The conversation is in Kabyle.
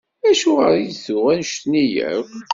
Acuɣer i d-tuɣ anect-nni akk?